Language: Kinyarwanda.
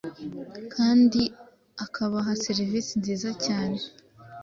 kandi akabaha serivisi nziza cyane